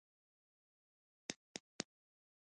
په افنټ غار کې د درې اتیا خلکو پاتې شوني موندل شول.